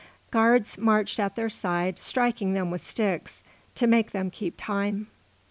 Guards marched at their side, striking them with sticks to make them keep time.